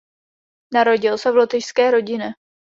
Narodil se v lotyšské rodině.